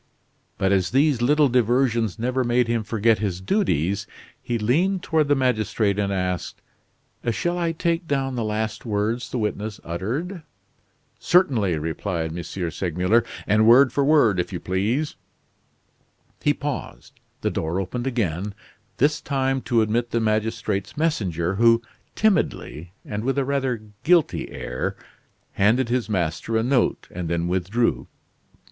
But as these little diversions never made him forget his duties, he leaned toward the magistrate and asked: "Shall I take down the last words the witness uttered?" "Certainly," replied M. Segmuller, "and word for word, if you please." He paused; the door opened again, this time to admit the magistrate's messenger, who timidly, and with a rather guilty air, handed his master a note, and then withdrew.